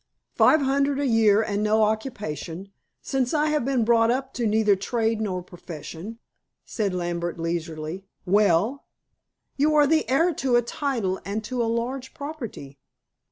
"Five hundred a year and no occupation, since I have been brought up to neither trade nor profession," said Lambert leisurely. "Well?" "You are the heir to a title and to a large property."